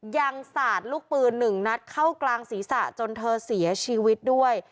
สาดลูกปืนหนึ่งนัดเข้ากลางศีรษะจนเธอเสียชีวิตด้วย